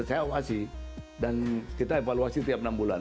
saya awasi dan kita evaluasi tiap enam bulan